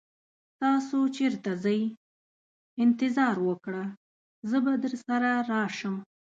تاسو چیرته ځئ؟ انتظار وکړه، زه به درسره راشم.